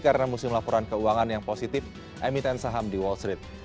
karena musim laporan keuangan yang positif emiten saham di wall street